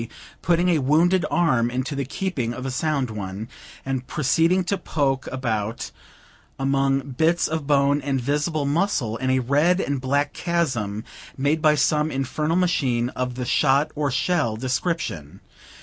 putting a wounded arm into the keeping of a sound one, and proceeding to poke about among bits of bone and visible muscles, in a red and black chasm made by some infernal machine of the shot or shell description.